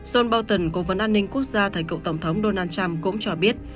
john bolton cố vấn an ninh quốc gia thời cựu tổng thống donald trump cũng cho biết